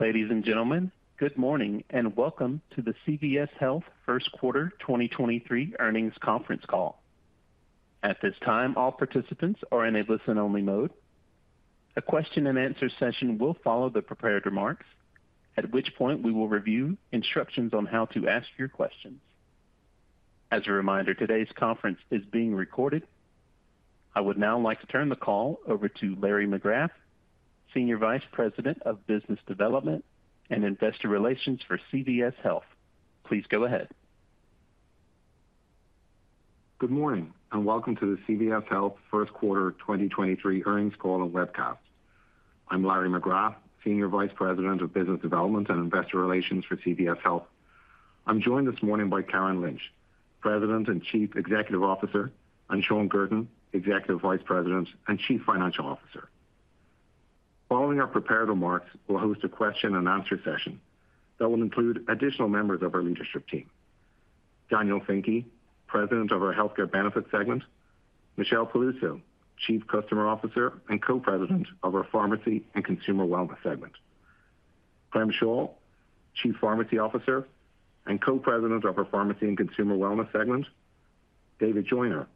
Ladies and gentlemen, good morning, and welcome to the CVS Health First Quarter 2023 Earnings Conference Call. At this time, all participants are in a listen-only mode. A question-and-answer session will follow the prepared remarks, at which point we will review instructions on how to ask your questions. As a reminder, today's conference is being recorded. I would now like to turn the call over to Larry McGrath, Senior Vice President of Business Development and Investor Relations for CVS Health. Please go ahead. Good morning, and welcome to the CVS Health First Quarter 2023 Earnings Call and Webcast. I'm Larry McGrath, Senior Vice President of Business Development and Investor Relations for CVS Health. I'm joined this morning by Karen Lynch, President and Chief Executive Officer, and Shawn Guertin, Executive Vice President and Chief Financial Officer. Following our prepared remarks, we'll host a question-and-answer session that will include additional members of our leadership team: Daniel Finke, President of our Healthcare Benefits segment; Michelle Peluso, Chief Customer Officer and Co-president of our Pharmacy and Consumer Wellness segment; Prem Shah, Chief Pharmacy Officer and Co-president of our Pharmacy and Consumer Wellness segment; David Joyner,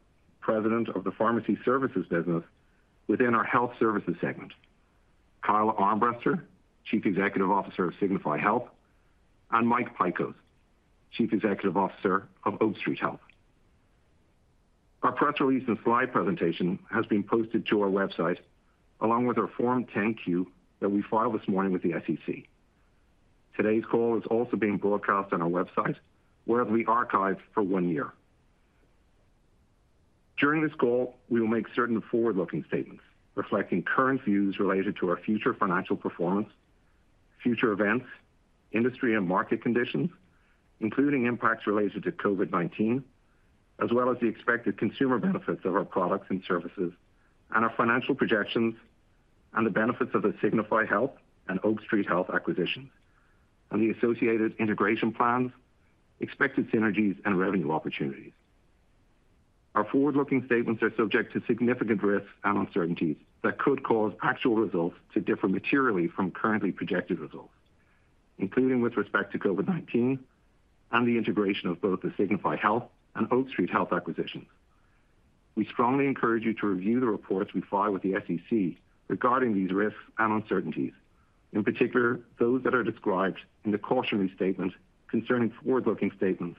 President of the Pharmacy Services business within our Health Services segment; Kyle Armbrester, Chief Executive Officer of Signify Health; and Mike Pykosz, Chief Executive Officer of Oak Street Health. Our press release and slide presentation has been posted to our website, along with our Form 10-Q that we filed this morning with the SEC. Today's call is also being broadcast on our website, where it'll be archived for one year. During this call, we will make certain forward-looking statements reflecting current views related to our future financial performance, future events, industry and market conditions, including impacts related to COVID-19, as well as the expected consumer benefits of our products and services, and our financial projections, and the benefits of the Signify Health and Oak Street Health acquisitions, and the associated integration plans, expected synergies and revenue opportunities. Our forward-looking statements are subject to significant risks and uncertainties that could cause actual results to differ materially from currently projected results, including with respect to COVID-19 and the integration of both the Signify Health and Oak Street Health acquisitions. We strongly encourage you to review the reports we file with the SEC regarding these risks and uncertainties, in particular, those that are described in the cautionary statements concerning forward-looking statements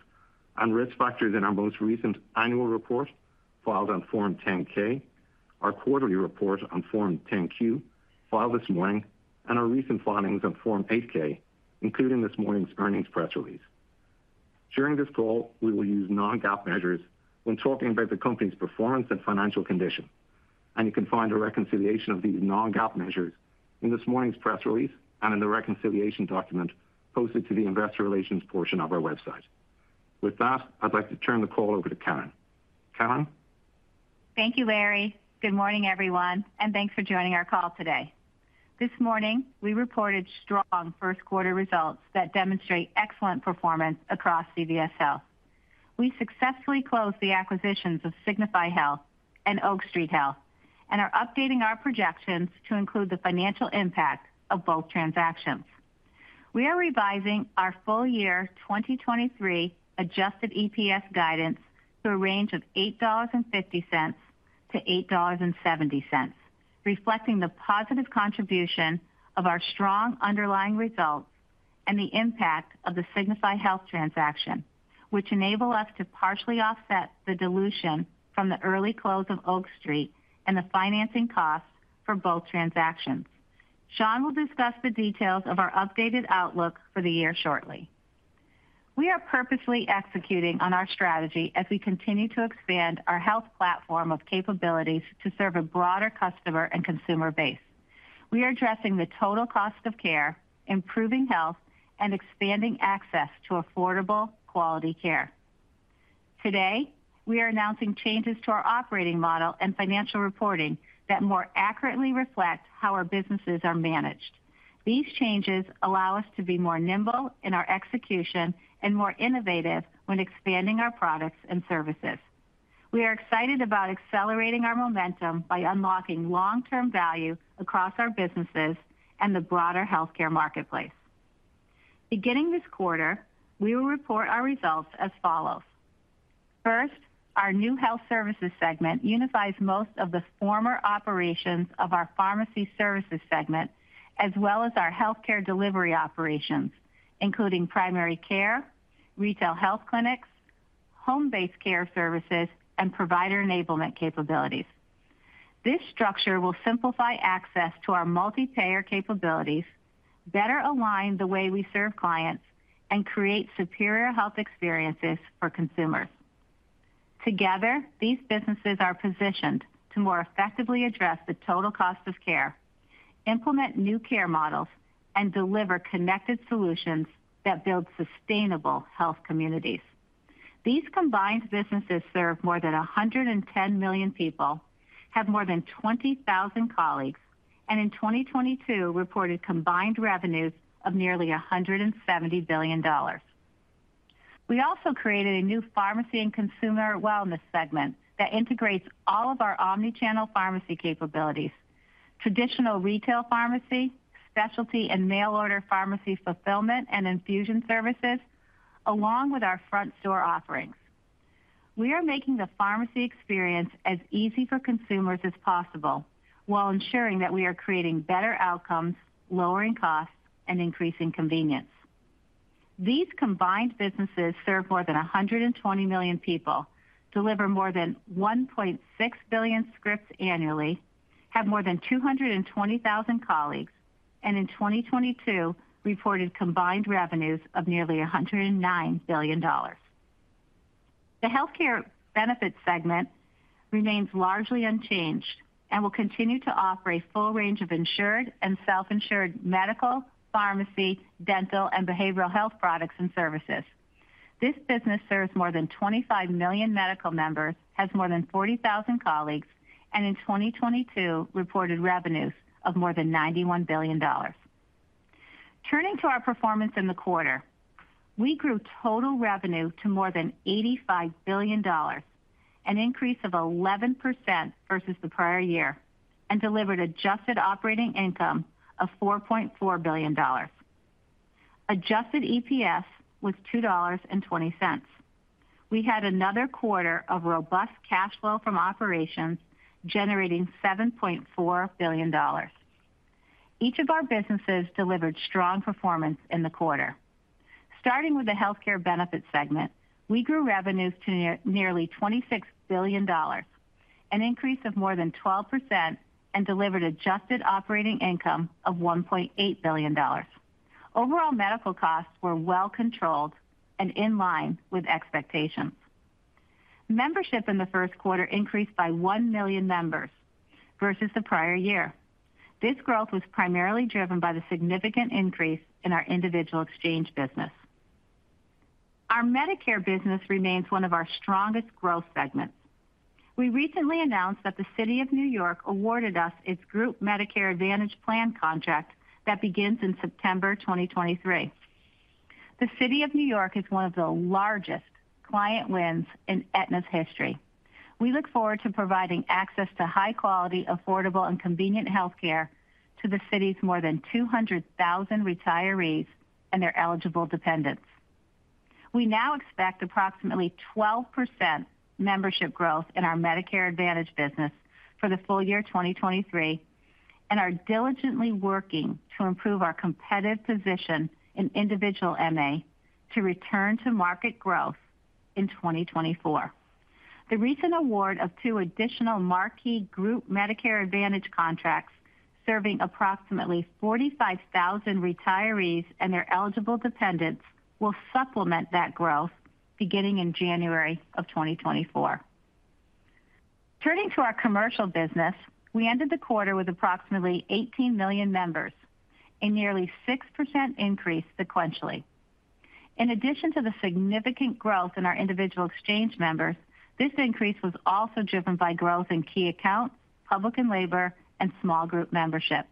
and risk factors in our most recent annual report filed on Form 10-K, our quarterly report on Form 10-Q filed this morning, and our recent filings on Form 8-K, including this morning's earnings press release. During this call, we will use non-GAAP measures when talking about the company's performance and financial condition. You can find a reconciliation of these non-GAAP measures in this morning's press release and in the reconciliation document posted to the investor relations portion of our website. With that, I'd like to turn the call over to Karen. Karen? Thank you, Larry. Good morning, everyone, Thanks for joining our call today. This morning, we reported strong first quarter results that demonstrate excellent performance across CVS Health. We successfully closed the acquisitions of Signify Health and Oak Street Health and are updating our projections to include the financial impact of both transactions. We are revising our full year 2023 adjusted EPS guidance to a range of $8.50 to $8.70, reflecting the positive contribution of our strong underlying results and the impact of the Signify Health transaction, which enable us to partially offset the dilution from the early close of Oak Street and the financing costs for both transactions. Shawn will discuss the details of our updated outlook for the year shortly. We are purposely executing on our strategy as we continue to expand our health platform of capabilities to serve a broader customer and consumer base. We are addressing the total cost of care, improving health, and expanding access to affordable, quality care. Today, we are announcing changes to our operating model and financial reporting that more accurately reflect how our businesses are managed. These changes allow us to be more nimble in our execution and more innovative when expanding our products and services. We are excited about accelerating our momentum by unlocking long-term value across our businesses and the broader healthcare marketplace. Beginning this quarter, we will report our results as follows. First, our new Health Services Segment unifies most of the former operations of our Pharmacy Services Segment, as well as our healthcare delivery operations, including primary care, retail health clinics, home-based care services, and provider enablement capabilities. This structure will simplify access to our multi-payer capabilities, better align the way we serve clients, and create superior health experiences for consumers. Together, these businesses are positioned to more effectively address the total cost of care, implement new care models, and deliver connected solutions that build sustainable health communities. These combined businesses serve more than 110 million people, have more than 20,000 colleagues, and in 2022 reported combined revenues of nearly $170 billion. We also created a new Pharmacy and Consumer Wellness segment that integrates all of our omni-channel pharmacy capabilities, traditional retail pharmacy, specialty and mail order pharmacy fulfillment and infusion services, along with our front store offerings. We are making the pharmacy experience as easy for consumers as possible while ensuring that we are creating better outcomes, lowering costs, and increasing convenience. These combined businesses serve more than 120 million people, deliver more than 1.6 billion scripts annually, have more than 220,000 colleagues, and in 2022 reported combined revenues of nearly $109 billion. The Health Care Benefits Segment remains largely unchanged and will continue to offer a full range of insured and self-insured medical, pharmacy, dental, and behavioral health products and services. This business serves more than 25 million medical members, has more than 40,000 colleagues, and in 2022 reported revenues of more than $91 billion. Turning to our performance in the quarter, we grew total revenue to more than $85 billion, an increase of 11% versus the prior year, and delivered adjusted operating income of $4.4 billion. Adjusted EPS was $2.20. We had another quarter of robust cash flow from operations, generating $7.4 billion. Each of our businesses delivered strong performance in the quarter. Starting with the Health Care Benefits Segment, we grew revenues to nearly $26 billion, an increase of more than 12%, and delivered adjusted operating income of $1.8 billion. Overall medical costs were well controlled and in line with expectations. Membership in the first quarter increased by 1 million members versus the prior year. This growth was primarily driven by the significant increase in our individual exchange business. Our Medicare business remains one of our strongest growth segments. We recently announced that the City of New York awarded us its Group Medicare Advantage Plan contract that begins in September 2023. The City of New York is one of the largest client wins in Aetna's history. We look forward to providing access to high quality, affordable, and convenient healthcare to the city's more than 200,000 retirees and their eligible dependents. We now expect approximately 12% membership growth in our Medicare Advantage business for the full year 2023, and are diligently working to improve our competitive position in individual MA to return to market growth in 2024. The recent award of two additional marquee Group Medicare Advantage contracts serving approximately 45,000 retirees and their eligible dependents will supplement that growth beginning in January of 2024. Turning to our commercial business. We ended the quarter with approximately 18 million members, a nearly 6% increase sequentially. In addition to the significant growth in our individual exchange members, this increase was also driven by growth in key accounts, public and labor, and small group membership.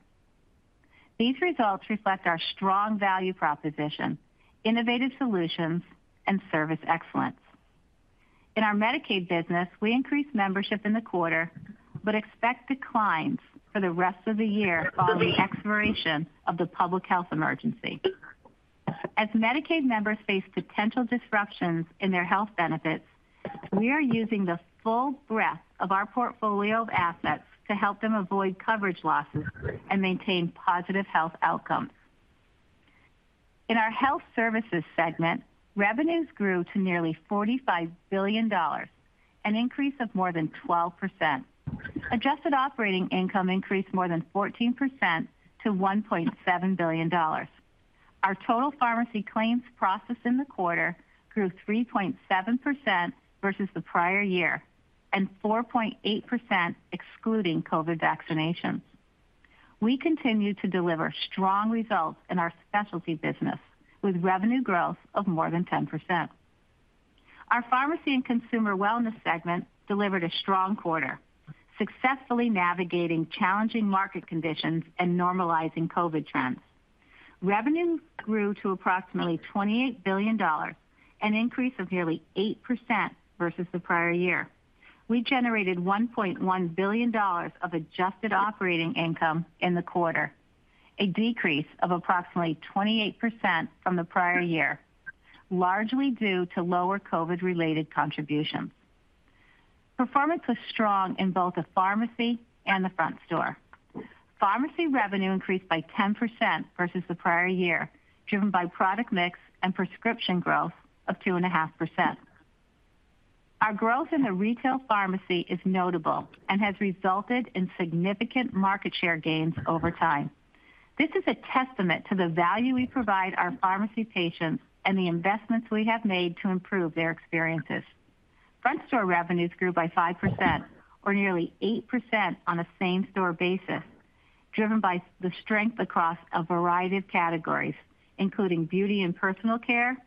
These results reflect our strong value proposition, innovative solutions, and service excellence. In our Medicaid business, we increased membership in the quarter but expect declines for the rest of the year following the expiration of the public health emergency. As Medicaid members face potential disruptions in their health benefits, we are using the full breadth of our portfolio of assets to help them avoid coverage losses and maintain positive health outcomes. In our Health Services Segment, revenues grew to nearly $45 billion, an increase of more than 12%. Adjusted operating income increased more than 14% to $1.7 billion. Our total pharmacy claims processed in the quarter grew 3.7% versus the prior year, and 4.8% excluding COVID vaccinations. We continue to deliver strong results in our specialty business with revenue growth of more than 10%. Our Pharmacy and Consumer Wellness segment delivered a strong quarter, successfully navigating challenging market conditions and normalizing COVID trends. Revenues grew to approximately $28 billion, an increase of nearly 8% versus the prior year. We generated $1.1 billion of adjusted operating income in the quarter, a decrease of approximately 28% from the prior year, largely due to lower COVID-related contributions. Performance was strong in both the pharmacy and the front store. Pharmacy revenue increased by 10% versus the prior year, driven by product mix and prescription growth of 2.5%. Our growth in the retail pharmacy is notable and has resulted in significant market share gains over time. This is a testament to the value we provide our pharmacy patients and the investments we have made to improve their experiences. Front store revenues grew by 5% or nearly 8% on a same store basis, driven by the strength across a variety of categories, including beauty and personal care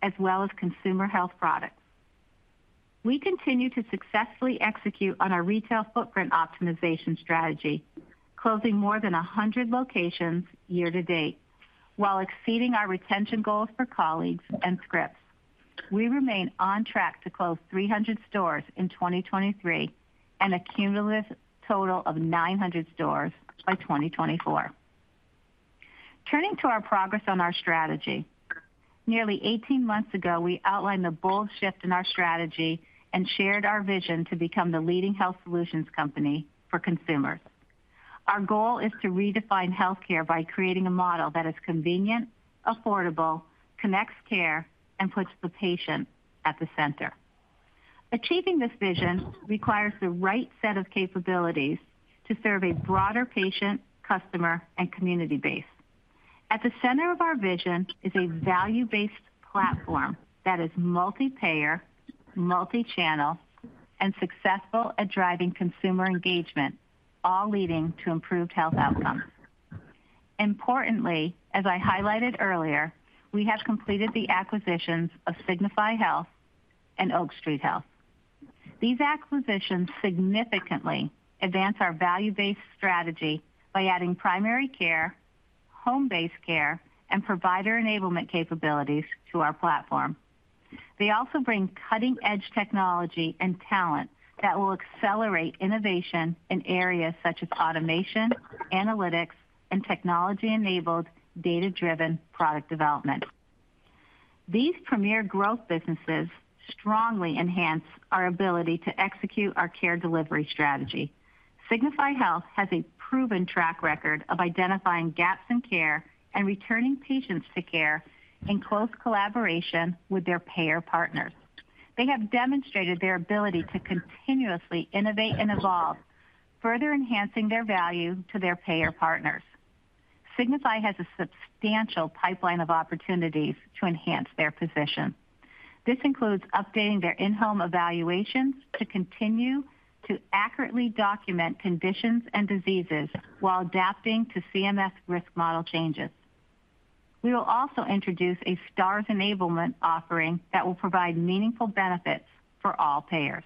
as well as consumer health products. We continue to successfully execute on our retail footprint optimization strategy, closing more than 100 locations year to date, while exceeding our retention goals for colleagues and scripts. We remain on track to close 300 stores in 2023 and a cumulative total of 900 stores by 2024. Turning to our progress on our strategy. Nearly 18 months ago, we outlined the bold shift in our strategy and shared our vision to become the leading health solutions company for consumers. Our goal is to redefine healthcare by creating a model that is convenient, affordable, connects care, and puts the patient at the center. Achieving this vision requires the right set of capabilities to serve a broader patient, customer, and community base. At the center of our vision is a value-based platform that is multi-payer, multi-channel, and successful at driving consumer engagement, all leading to improved health outcomes. Importantly, as I highlighted earlier, we have completed the acquisitions of Signify Health and Oak Street Health. These acquisitions significantly advance our value-based strategy by adding primary care, home-based care, and provider enablement capabilities to our platform. They also bring cutting-edge technology and talent that will accelerate innovation in areas such as automation, analytics, and technology-enabled, data-driven product development. These premier growth businesses strongly enhance our ability to execute our care delivery strategy. Signify Health has a proven track record of identifying gaps in care and returning patients to care in close collaboration with their payer partners. They have demonstrated their ability to continuously innovate and evolve, further enhancing their value to their payer partners. Signify has a substantial pipeline of opportunities to enhance their position. This includes updating their in-home evaluations to continue to accurately document conditions and diseases while adapting to CMS risk model changes. We will also introduce a Star enablement offering that will provide meaningful benefits for all payers.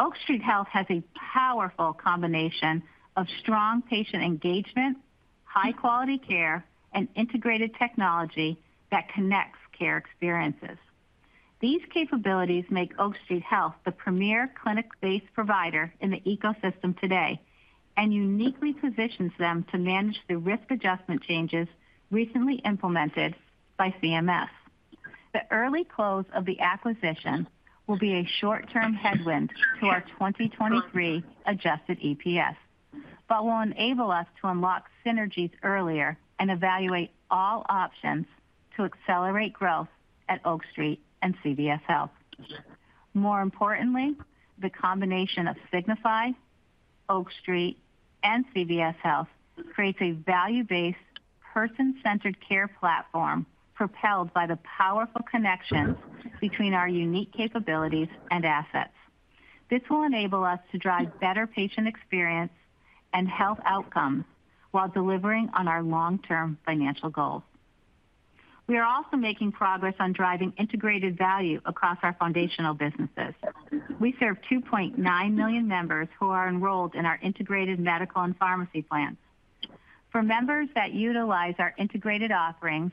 Oak Street Health has a powerful combination of strong patient engagement, high-quality care, and integrated technology that connects care experiences. These capabilities make Oak Street Health the premier clinic-based provider in the ecosystem today and uniquely positions them to manage the risk adjustment changes recently implemented by CMS. The early close of the acquisition will be a short-term headwind to our 2023 adjusted EPS, but will enable us to unlock synergies earlier and evaluate all options to accelerate growth at Oak Street and CVS Health. More importantly, the combination of Signify, Oak Street, and CVS Health creates a value-based, person-centered care platform propelled by the powerful connection between our unique capabilities and assets. This will enable us to drive better patient experience and health outcomes while delivering on our long-term financial goals. We are also making progress on driving integrated value across our foundational businesses. We serve 2.9 million members who are enrolled in our integrated medical and pharmacy plans. For members that utilize our integrated offerings,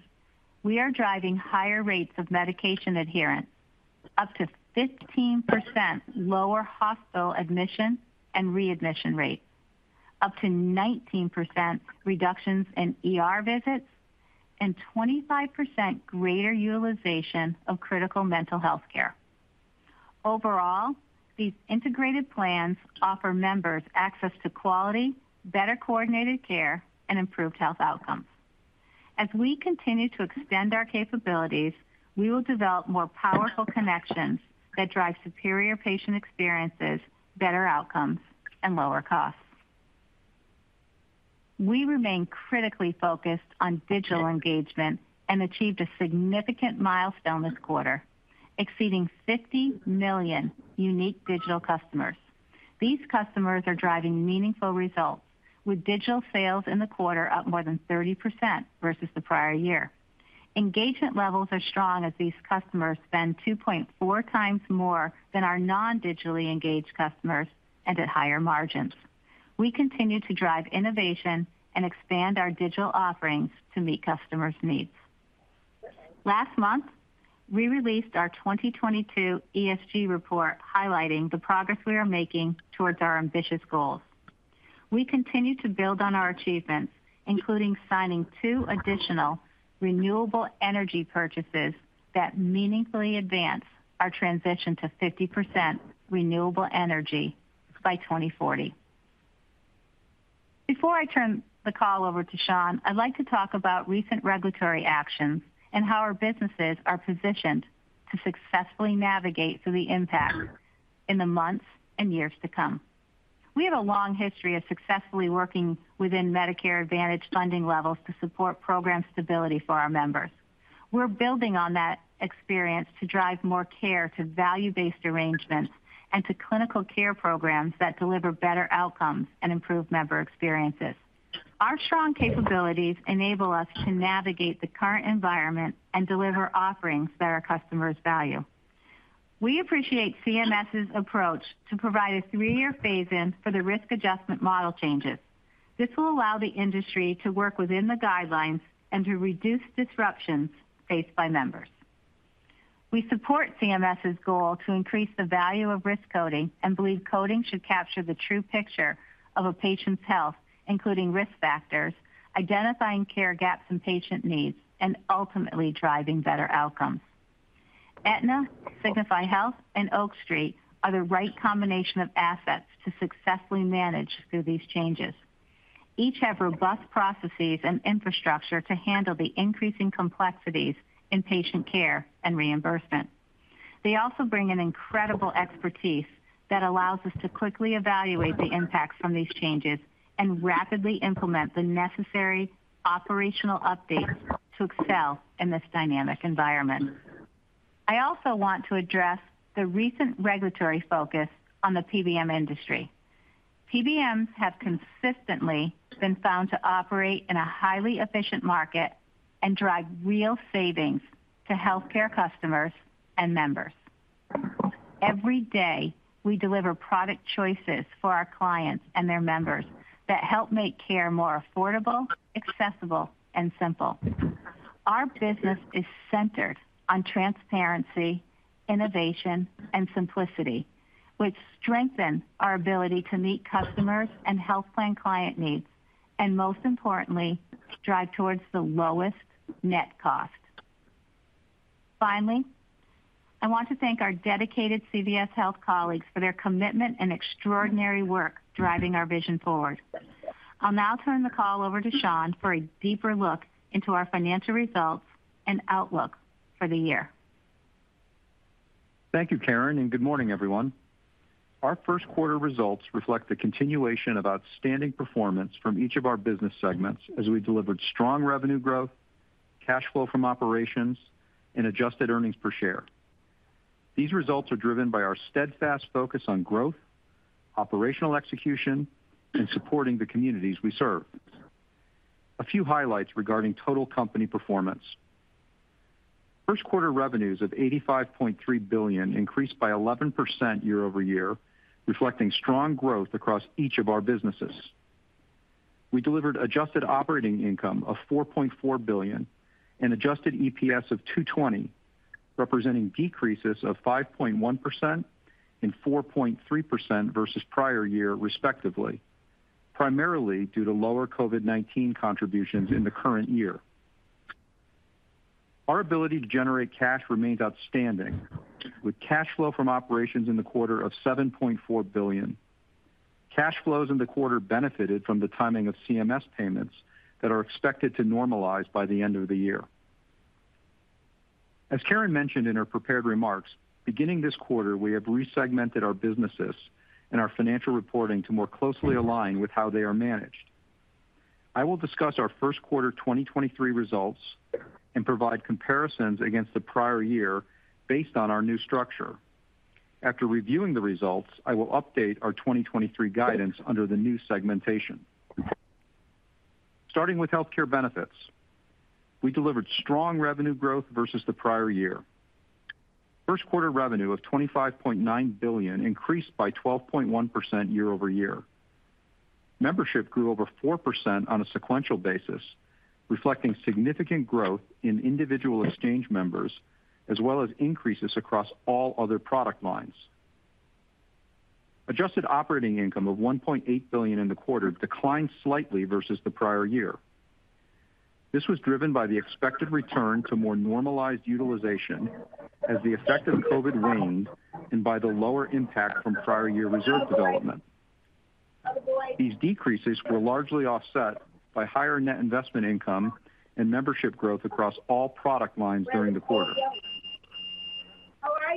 we are driving higher rates of medication adherence, up to 15% lower hospital admission and readmission rates, up to 19% reductions in ER visits, and 25% greater utilization of critical mental health care. Overall, these integrated plans offer members access to quality, better coordinated care, and improved health outcomes. We continue to extend our capabilities, we will develop more powerful connections that drive superior patient experiences, better outcomes, and lower costs. We remain critically focused on digital engagement and achieved a significant milestone this quarter, exceeding 50 million unique digital customers. These customers are driving meaningful results with digital sales in the quarter up more than 30% versus the prior year. Engagement levels are strong as these customers spend 2.4 times more than our non-digitally engaged customers and at higher margins. We continue to drive innovation and expand our digital offerings to meet customers' needs. Last month, we released our 2022 ESG report highlighting the progress we are making towards our ambitious goals. We continue to build on our achievements, including signing two additional renewable energy purchases that meaningfully advance our transition to 50% renewable energy by 2040. Before I turn the call over to Shawn, I'd like to talk about recent regulatory actions and how our businesses are positioned to successfully navigate through the impact in the months and years to come. We have a long history of successfully working within Medicare Advantage funding levels to support program stability for our members. We're building on that experience to drive more care to value-based arrangements and to clinical care programs that deliver better outcomes and improve member experiences. Our strong capabilities enable us to navigate the current environment and deliver offerings that our customers value. We appreciate CMS' approach to provide a three-year phase-in for the risk adjustment model changes. This will allow the industry to work within the guidelines and to reduce disruptions faced by members. We support CMS' goal to increase the value of risk coding, and believe coding should capture the true picture of a patient's health, including risk factors, identifying care gaps in patient needs, and ultimately driving better outcomes. Aetna, Signify Health, and Oak Street are the right combination of assets to successfully manage through these changes. Each have robust processes and infrastructure to handle the increasing complexities in patient care and reimbursement. They also bring an incredible expertise that allows us to quickly evaluate the impacts from these changes and rapidly implement the necessary operational updates to excel in this dynamic environment. I also want to address the recent regulatory focus on the PBM industry. PBMs have consistently been found to operate in a highly efficient market and drive real savings to healthcare customers and members. Every day, we deliver product choices for our clients and their members that help make care more affordable, accessible, and simple. Our business is centered on transparency, innovation, and simplicity, which strengthen our ability to meet customers and health plan client needs, and most importantly, drive towards the lowest net cost. Finally, I want to thank our dedicated CVS Health colleagues for their commitment and extraordinary work driving our vision forward. I'll now turn the call over to Shawn for a deeper look into our financial results and outlook for the year. Thank you, Karen, and good morning, everyone. Our first quarter results reflect the continuation of outstanding performance from each of our business segments as we delivered strong revenue growth, cash flow from operations, and adjusted earnings per share. These results are driven by our steadfast focus on growth, operational execution, and supporting the communities we serve. A few highlights regarding total company performance. First quarter revenues of $85.3 billion increased by 11% year-over-year, reflecting strong growth across each of our businesses. We delivered adjusted operating income of $4.4 billion and adjusted EPS of $2.20, representing decreases of 5.1% and 4.3% versus prior year respectively, primarily due to lower COVID-19 contributions in the current year. Our ability to generate cash remains outstanding, with cash flow from operations in the quarter of $7.4 billion. Cash flows in the quarter benefited from the timing of CMS payments that are expected to normalize by the end of the year. As Karen mentioned in her prepared remarks, beginning this quarter, we have resegmented our businesses and our financial reporting to more closely align with how they are managed. I will discuss our first quarter 2023 results and provide comparisons against the prior year based on our new structure. After reviewing the results, I will update our 2023 guidance under the new segmentation. Starting with Health Care Benefits, we delivered strong revenue growth versus the prior year. First quarter revenue of $25.9 billion increased by 12.1% year-over-year. Membership grew over 4% on a sequential basis, reflecting significant growth in individual exchange members, as well as increases across all other product lines. Adjusted operating income of $1.8 billion in the quarter declined slightly versus the prior year. This was driven by the expected return to more normalized utilization as the effect of COVID waned and by the lower impact from prior year reserve development. These decreases were largely offset by higher net investment income and membership growth across all product lines during the quarter.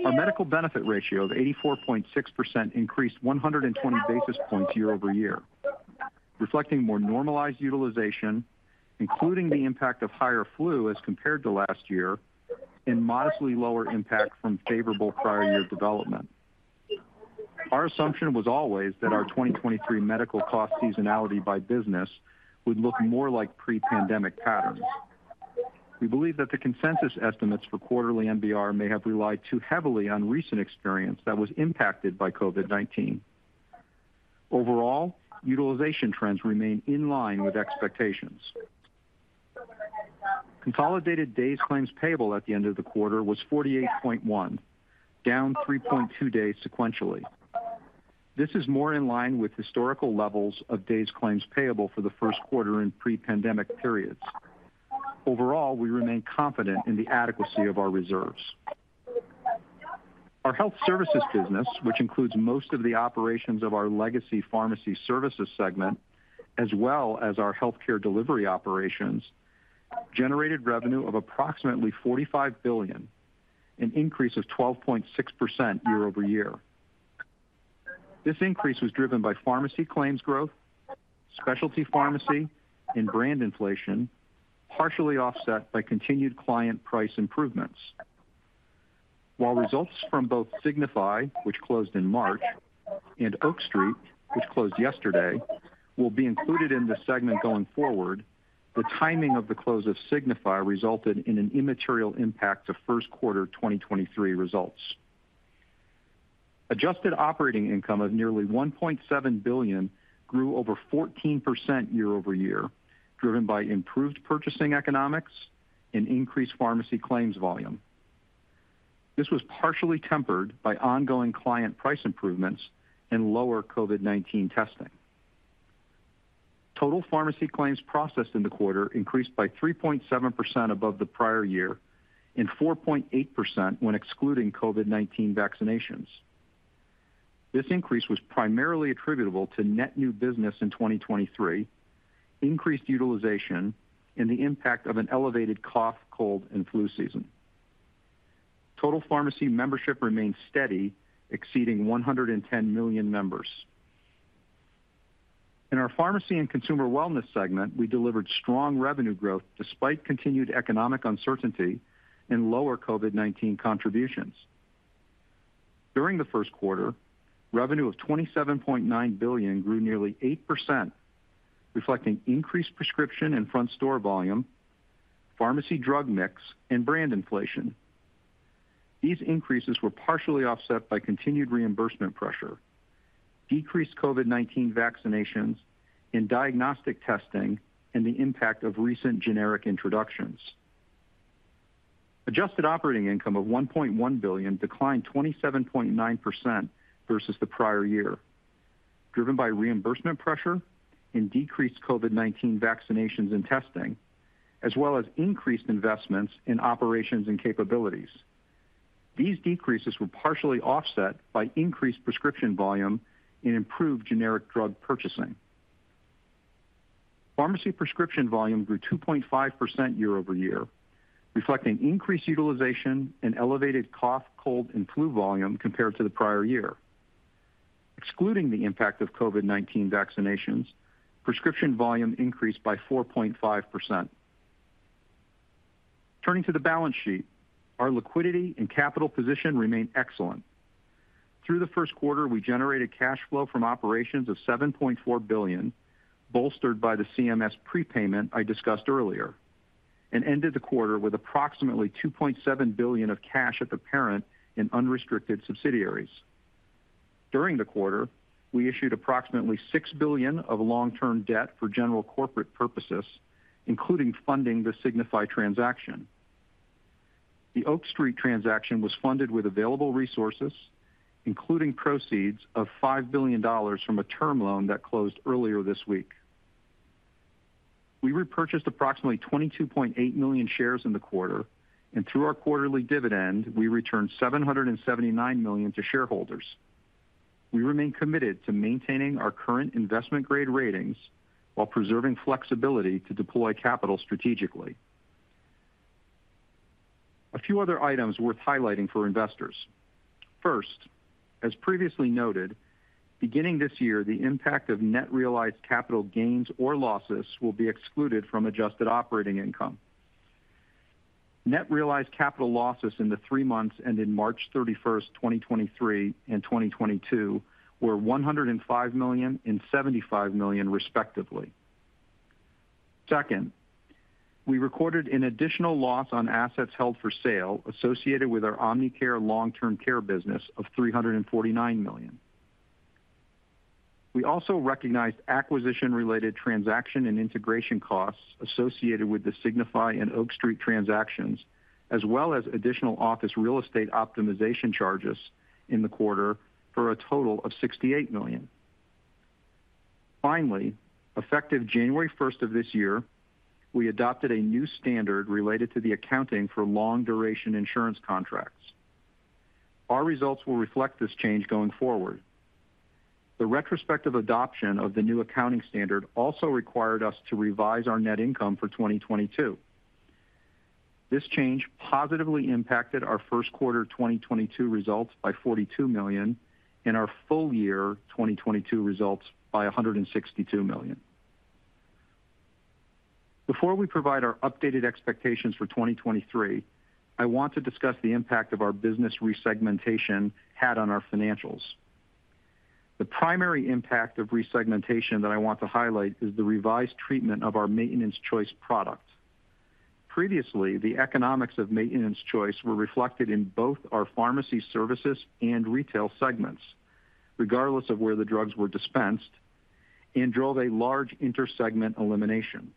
Our medical benefit ratio of 84.6% increased 120 basis points year-over-year, reflecting more normalized utilization, including the impact of higher flu as compared to last year, and modestly lower impact from favorable prior year development. Our assumption was always that our 2023 medical cost seasonality by business would look more like pre-pandemic patterns. We believe that the consensus estimates for quarterly MBR may have relied too heavily on recent experience that was impacted by COVID-19. Overall, utilization trends remain in line with expectations. Consolidated days claims payable at the end of the quarter was 48.1, down 3.2 days sequentially. This is more in line with historical levels of days claims payable for the first quarter in pre-pandemic periods. Overall, we remain confident in the adequacy of our reserves. Our Health Services Business, which includes most of the operations of our legacy Pharmacy Services segment, as well as our healthcare delivery operations, generated revenue of approximately $45 billion, an increase of 12.6% year-over-year. This increase was driven by pharmacy claims growth, specialty pharmacy, and brand inflation, partially offset by continued client price improvements. While results from both Signify, which closed in March, and Oak Street, which closed yesterday, will be included in this segment going forward, the timing of the close of Signify resulted in an immaterial impact to first quarter 2023 results. Adjusted operating income of nearly $1.7 billion grew over 14% year-over-year, driven by improved purchasing economics and increased pharmacy claims volume. This was partially tempered by ongoing client price improvements and lower COVID-19 testing. Total pharmacy claims processed in the quarter increased by 3.7% above the prior year and 4.8% when excluding COVID-19 vaccinations. This increase was primarily attributable to net new business in 2023, increased utilization, and the impact of an elevated cough, cold, and flu season. Total pharmacy membership remained steady, exceeding 110 million members. In our Pharmacy and Consumer Wellness segment, we delivered strong revenue growth despite continued economic uncertainty and lower COVID-19 contributions. During the first quarter, revenue of $27.9 billion grew nearly 8%, reflecting increased prescription and front store volume, pharmacy drug mix, and brand inflation. These increases were partially offset by continued reimbursement pressure, decreased COVID-19 vaccinations and diagnostic testing, and the impact of recent generic introductions. adjusted operating income of $1.1 billion declined 27.9% versus the prior year, driven by reimbursement pressure and decreased COVID-19 vaccinations and testing, as well as increased investments in operations and capabilities. These decreases were partially offset by increased prescription volume and improved generic drug purchasing. Pharmacy prescription volume grew 2.5% year-over-year, reflecting increased utilization and elevated cough, cold, and flu volume compared to the prior year. Excluding the impact of COVID-19 vaccinations, prescription volume increased by 4.5%. Turning to the balance sheet, our liquidity and capital position remain excellent. Through the first quarter, we generated cash flow from operations of $7.4 billion, bolstered by the CMS prepayment I discussed earlier, and ended the quarter with approximately $2.7 billion of cash at the parent in unrestricted subsidiaries. During the quarter, we issued approximately $6 billion of long-term debt for general corporate purposes, including funding the Signify transaction. The Oak Street transaction was funded with available resources, including proceeds of $5 billion from a term loan that closed earlier this week. We repurchased approximately 22.8 million shares in the quarter, and through our quarterly dividend, we returned $779 million to shareholders. We remain committed to maintaining our current investment-grade ratings while preserving flexibility to deploy capital strategically. A few other items worth highlighting for investors. First, as previously noted, beginning this year, the impact of net realized capital gains or losses will be excluded from adjusted operating income. Net realized capital losses in the three months ending March 31, 2023 and 2022 were $105 million and $75 million, respectively. Second, we recorded an additional loss on assets held for sale associated with our Omnicare long-term care business of $349 million. We also recognized acquisition-related transaction and integration costs associated with the Signify and Oak Street transactions, as well as additional office real estate optimization charges in the quarter for a total of $68 million. Effective January 1st of this year, we adopted a new standard related to the accounting for long-duration insurance contracts. Our results will reflect this change going forward. The retrospective adoption of the new accounting standard also required us to revise our net income for 2022. This change positively impacted our first quarter 2022 results by $42 million and our full year 2022 results by $162 million. Before we provide our updated expectations for 2023, I want to discuss the impact of our business resegmentation had on our financials. The primary impact of resegmentation that I want to highlight is the revised treatment of our Maintenance Choice product. Previously, the economics of Maintenance Choice were reflected in both our Pharmacy Services and Retail segments, regardless of where the drugs were dispensed, and drove a large intersegment elimination.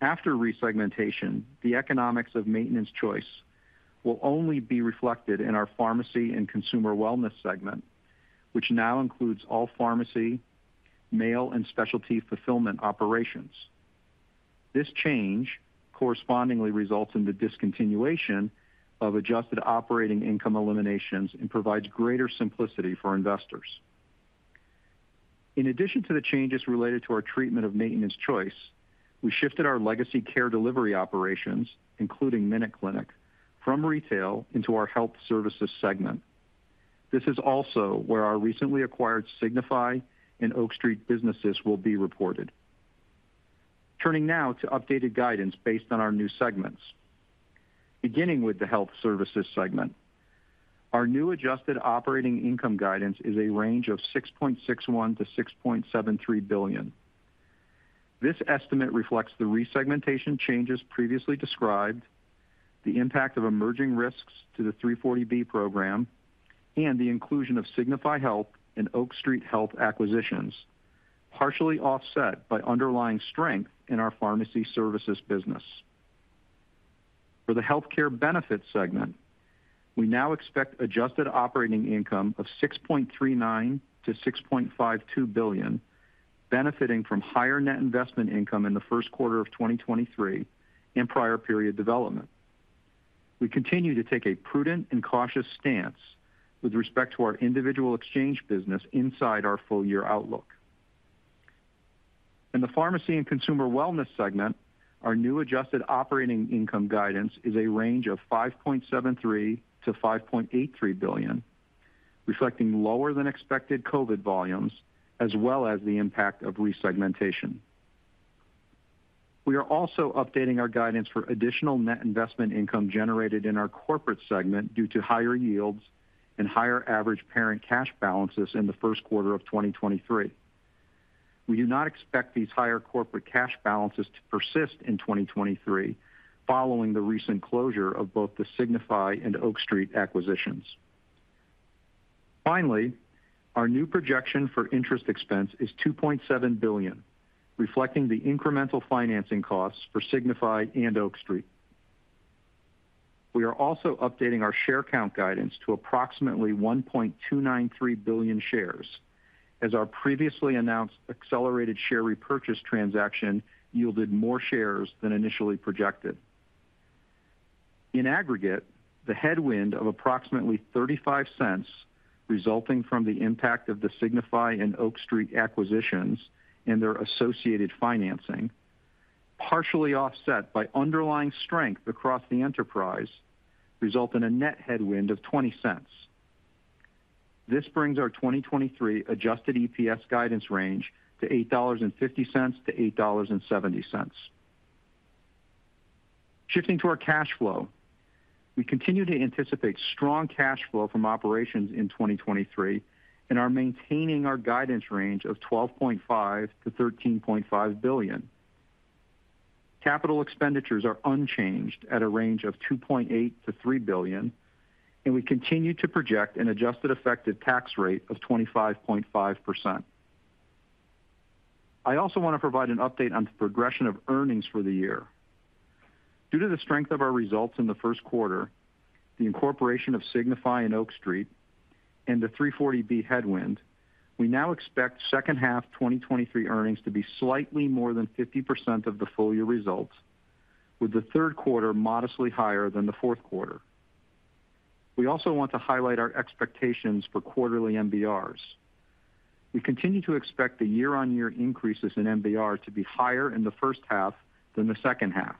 After resegmentation, the economics of Maintenance Choice will only be reflected in our Pharmacy and Consumer Wellness segment, which now includes all pharmacy, mail, and specialty fulfillment operations. This change correspondingly results in the discontinuation of adjusted operating income eliminations and provides greater simplicity for investors. In addition to the changes related to our treatment of Maintenance Choice, we shifted our legacy care delivery operations, including MinuteClinic, from retail into our Health Services segment. This is also where our recently acquired Signify and Oak Street businesses will be reported. Turning now to updated guidance based on our new segments. Beginning with the Health Services segment, our new adjusted operating income guidance is a range of $6.61 billion-$6.73 billion. This estimate reflects the resegmentation changes previously described, the impact of emerging risks to the 340B program, and the inclusion of Signify Health and Oak Street Health acquisitions, partially offset by underlying strength in our pharmacy services business. For the Healthcare Benefits segment, we now expect adjusted operating income of $6.39 billion-$6.52 billion, benefiting from higher net investment income in the first quarter of 2023 and prior period development. We continue to take a prudent and cautious stance with respect to our individual exchange business inside our full year outlook. In the Pharmacy and Consumer Wellness segment, our new adjusted operating income guidance is a range of $5.73 billion-$5.83 billion, reflecting lower than expected COVID volumes as well as the impact of resegmentation. We are also updating our guidance for additional net investment income generated in our corporate segment due to higher yields and higher average parent cash balances in the first quarter of 2023. We do not expect these higher corporate cash balances to persist in 2023 following the recent closure of both the Signify and Oak Street acquisitions. Finally, our new projection for interest expense is $2.7 billion, reflecting the incremental financing costs for Signify and Oak Street. We are also updating our share count guidance to approximately 1.293 billion shares as our previously announced accelerated share repurchase transaction yielded more shares than initially projected. In aggregate, the headwind of approximately $0.35 resulting from the impact of the Signify and Oak Street acquisitions and their associated financing, partially offset by underlying strength across the enterprise, result in a net headwind of $0.20. This brings our 2023 adjusted EPS guidance range to $8.50-$8.70. Shifting to our cash flow. We continue to anticipate strong cash flow from operations in 2023 and are maintaining our guidance range of $12.5 billion-$13.5 billion. Capital expenditures are unchanged at a range of $2.8 billion-$3 billion. We continue to project an adjusted effective tax rate of 25.5%. I also want to provide an update on the progression of earnings for the year. Due to the strength of our results in the first quarter, the incorporation of Signify and Oak Street, and the 340B headwind, we now expect second half 2023 earnings to be slightly more than 50% of the full year results, with the third quarter modestly higher than the fourth quarter. We also want to highlight our expectations for quarterly MBRs. We continue to expect the year-on-year increases in MBR to be higher in the first half than the second half.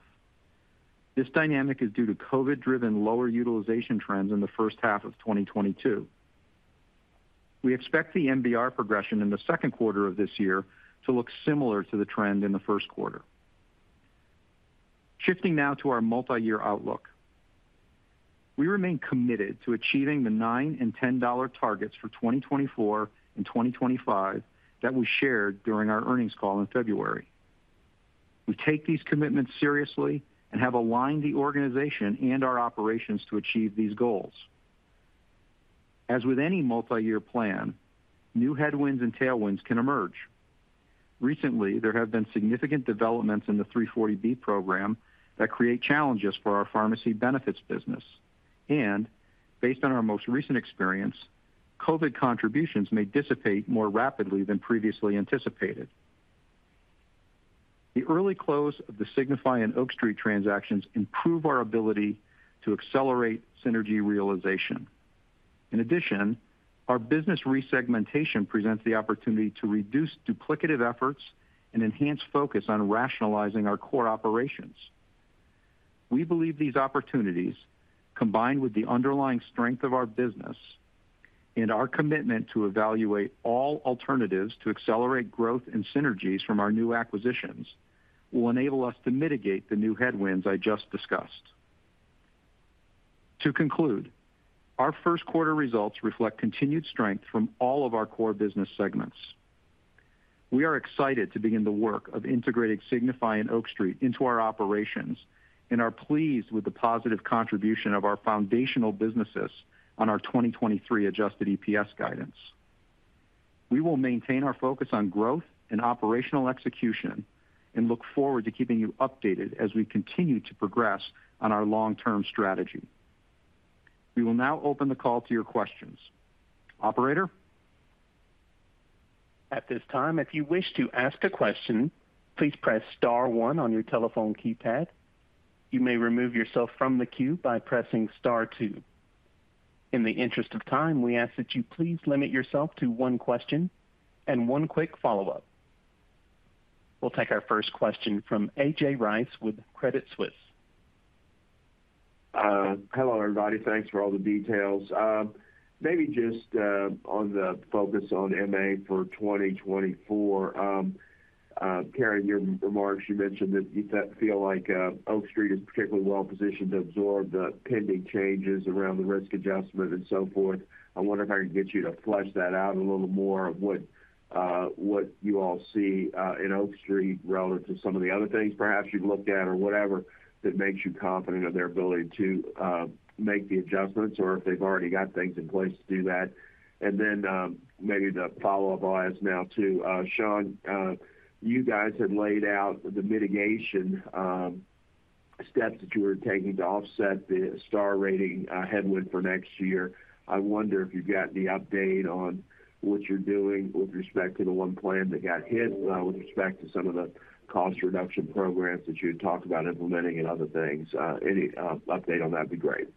This dynamic is due to COVID driven lower utilization trends in the first half of 2022. We expect the MBR progression in the second quarter of this year to look similar to the trend in the first quarter. Shifting now to our multi-year outlook. We remain committed to achieving the $9 and $10 targets for 2024 and 2025 that we shared during our earnings call in February. We take these commitments seriously and have aligned the organization and our operations to achieve these goals. As with any multi-year plan, new headwinds and tailwinds can emerge. Recently, there have been significant developments in the 340B program that create challenges for our pharmacy benefits business. Based on our most recent experience, COVID contributions may dissipate more rapidly than previously anticipated. The early close of the Signify and Oak Street transactions improve our ability to accelerate synergy realization. In addition, our business resegmentation presents the opportunity to reduce duplicative efforts and enhance focus on rationalizing our core operations. We believe these opportunities, combined with the underlying strength of our business and our commitment to evaluate all alternatives to accelerate growth and synergies from our new acquisitions, will enable us to mitigate the new headwinds I just discussed. To conclude, our first quarter results reflect continued strength from all of our core business segments. We are excited to begin the work of integrating Signify and Oak Street into our operations and are pleased with the positive contribution of our foundational businesses on our 2023 adjusted EPS guidance. We will maintain our focus on growth and operational execution and look forward to keeping you updated as we continue to progress on our long-term strategy. We will now open the call to your questions. Operator? At this time, if you wish to ask a question, please press star 1 on your telephone keypad. You may remove yourself from the queue by pressing star 2. In the interest of time, we ask that you please limit yourself to 1 question and 1 quick follow-up. We'll take our first question from A.J. Rice with Credit Suisse. Hello, everybody. Thanks for all the details. Maybe just on the focus on MA for 2024, Karen, your remarks, you mentioned that you feel like Oak Street is particularly well positioned to absorb the pending changes around the risk adjustment and so forth. I wonder if I can get you to flesh that out a little more of what you all see in Oak Street relative to some of the other things perhaps you've looked at or whatever that makes you confident of their ability to make the adjustments or if they've already got things in place to do that. Maybe the follow-up I'll ask now to Shawn, you guys had laid out the mitigation steps that you were taking to offset the Star rating headwind for next year. I wonder if you've got the update on what you're doing with respect to the one plan that got hit, with respect to some of the cost reduction programs that you had talked about implementing and other things. Any update on that'd be great.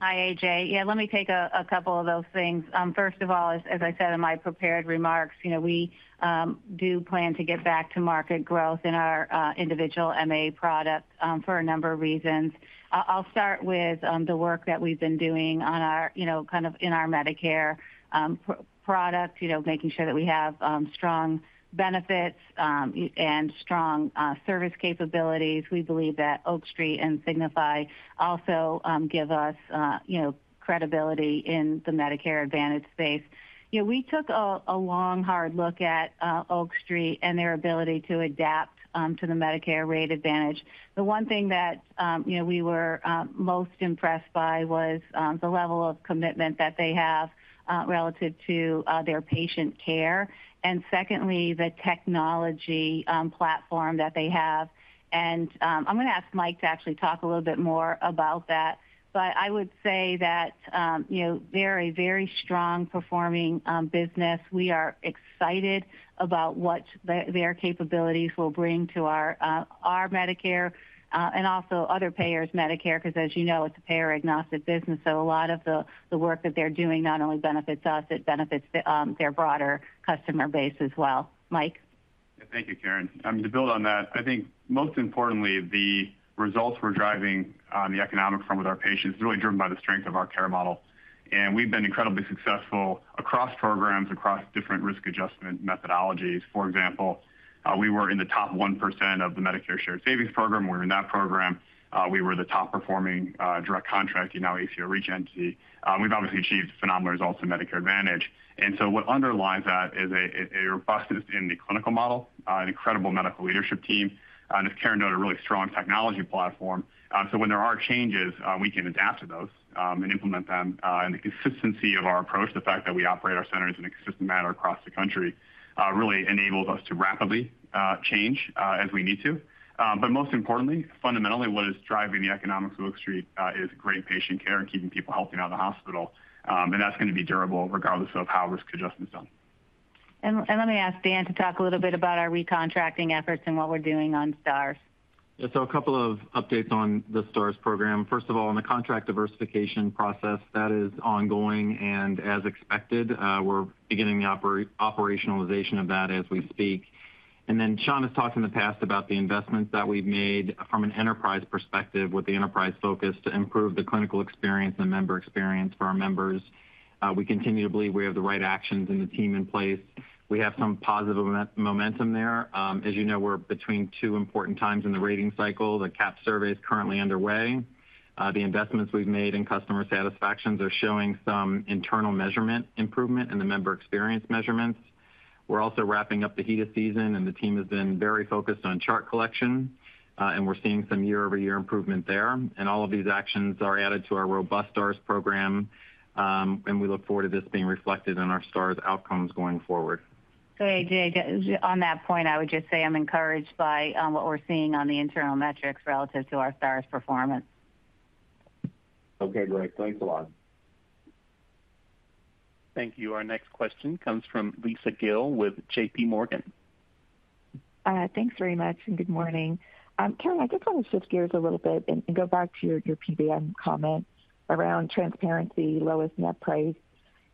Hi, AJ. Yeah, let me take a couple of those things. First of all, as I said in my prepared remarks, you know, we do plan to get back to market growth in our individual MA products for a number of reasons. I'll start with the work that we've been doing on our, you know, kind of in our Medicare product, you know, making sure that we have strong benefits and strong service capabilities. We believe that Oak Street and Signify also give us, you know, credibility in the Medicare Advantage space. You know, we took a long, hard look at Oak Street and their ability to adapt to the Medicare rate Advantage. The one thing that, you know, we were most impressed by was the level of commitment that they have relative to their patient care, and secondly, the technology platform that they have. I'm gonna ask Mike to actually talk a little bit more about that. I would say that, you know, very, very strong performing business. We are excited about what their capabilities will bring to our Medicare, and also other payers' Medicare, 'cause as you know, it's a payer-agnostic business, so a lot of the work that they're doing not only benefits us, it benefits the their broader customer base as well. Mike? Yeah. Thank you, Karen. To build on that, I think most importantly, the results we're driving on the economic front with our patients is really driven by the strength of our care model. We've been incredibly successful across programs, across different risk adjustment methodologies. For example, we were in the top 1% of the Medicare Shared Savings Program. We're in that program. We were the top performing Direct Contracting, now ACO REACH entity. We've obviously achieved phenomenal results in Medicare Advantage. What underlies that is a robustness in the clinical model, an incredible medical leadership team, and as Karen noted, a really strong technology platform. When there are changes, we can adapt to those and implement them. The consistency of our approach, the fact that we operate our centers in a consistent manner across the country, really enables us to rapidly change as we need to. Most importantly, fundamentally, what is driving the economics of Oak Street, is great patient care and keeping people healthy out of the hospital. That's gonna be durable regardless of how risk adjustment's done. Let me ask Dan to talk a little bit about our recontracting efforts and what we're doing on stars. Yeah. A couple of updates on the stars program. First of all, on the contract diversification process, that is ongoing, and as expected, we're beginning the operationalization of that as we speak. Shawn has talked in the past about the investments that we've made from an enterprise perspective with the enterprise focus to improve the clinical experience and member experience for our members. We continue to believe we have the right actions and the team in place. We have some positive momentum there. As you know, we're between two important times in the rating cycle. The CAHPS survey is currently underway. The investments we've made in customer satisfactions are showing some internal measurement improvement in the member experience measurements. We're also wrapping up the HEDIS season, and the team has been very focused on chart collection. We're seeing some year-over-year improvement there. All of these actions are added to our robust Stars program, and we look forward to this being reflected in our Stars outcomes going forward. AJ, on that point, I would just say I'm encouraged by what we're seeing on the internal metrics relative to our Stars performance. Okay, great. Thanks a lot. Thank you. Our next question comes from Lisa Gill with J.P. Morgan. Thanks very much, and good morning. Karen, I'd just wanna shift gears a little bit and go back to your PBM comment around transparency, lowest net price.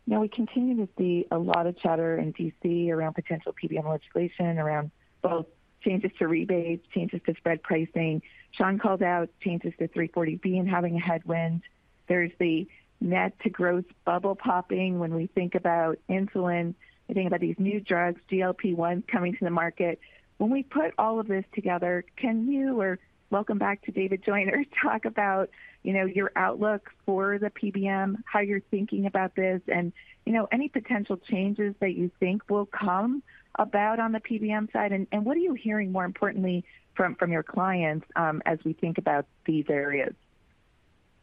You know, we continue to see a lot of chatter in D.C. around potential PBM legislation, around both changes to rebates, changes to spread pricing. Shawn Guertin called out changes to 340B and having a headwind. There's the gross-to-net bubble popping when we think about insulin, we think about these new drugs, GLP-1 coming to the market. When we put all of this together, can you or welcome back to David Joyner, talk about, you know, your outlook for the PBM, how you're thinking about this, and you know, any potential changes that you think will come about on the PBM side? What are you hearing, more importantly, from your clients, as we think about these areas?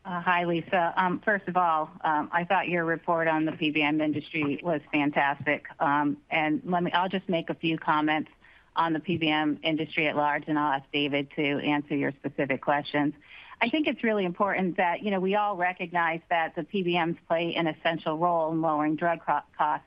Hi, Lisa. First of all, I thought your report on the PBM industry was fantastic. I'll just make a few comments on the PBM industry at large, and I'll ask David to answer your specific questions. I think it's really important that, you know, we all recognize that the PBMs play an essential role in lowering drug co-costs.